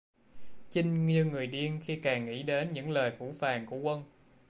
Chinh như người điên khi càng nghĩ đến những lời phũ phàng của quân